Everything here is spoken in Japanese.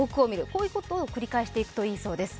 こういうことを繰り返していくといいそうです。